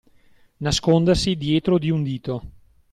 Nascondersi dietro di un dito.